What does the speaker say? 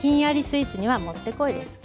スイーツにはもってこいです。